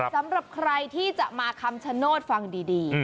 สำหรับใครที่จะมาคำชโนธฟังดี